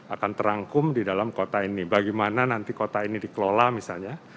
akan terangkum di dalam kota ini bagaimana nanti kota ini dikelola misalnya